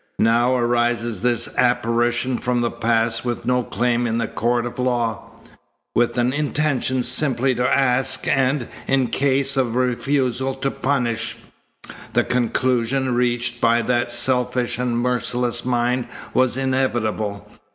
Now arises this apparition from the past with no claim in a court of law, with an intention simply to ask, and, in case of a refusal, to punish. The conclusion reached by that selfish and merciless mind was inevitable.